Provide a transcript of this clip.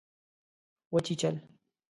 وچیچل